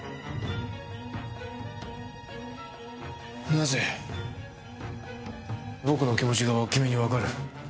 なぜ僕の気持ちが君にわかる？